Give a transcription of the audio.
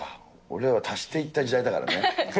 俺らは足していった時代だからね。